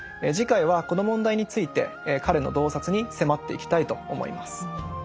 次回はこの問題について彼の洞察に迫っていきたいと思います。